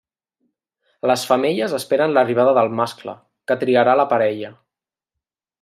Les femelles esperen l'arribada del mascle, que triarà la parella.